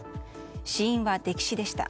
死因は溺死でした。